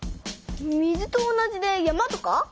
水と同じで山とか？